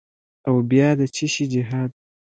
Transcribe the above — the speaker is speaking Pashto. او بیا د چیشي جهاد؟